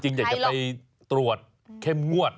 อยากจะไปตรวจเข้มงวด